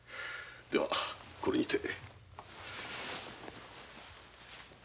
ではこれにて。